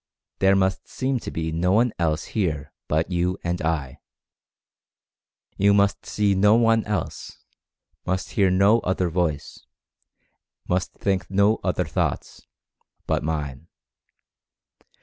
There must seem to be no one else here but you and I. You must see no one else ; must hear no other voice ; must think no other thoughts, but Mine.